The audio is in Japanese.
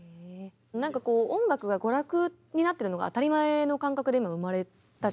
なんかこう音楽が娯楽になってるのが当たり前の感覚で生まれたじゃないですか。